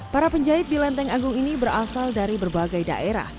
para penjahit di lenteng agung ini berasal dari berbagai daerah